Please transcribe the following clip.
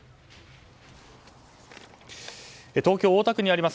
東京・大田区にあります